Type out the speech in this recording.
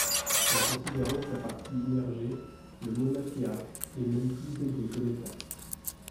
En considérant sa partie immergée, le Mauna Kea est même plus élevé que l'Everest.